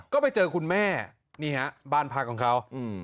ก็ไปเจอคุณแม่นี่ฮะบ้านพักของเขา